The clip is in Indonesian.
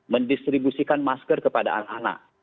mendistribusikan masker kepada anak anak